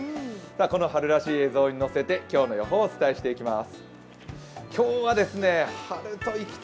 この春らしい映像に乗せて今日の予報、お伝えしていきます。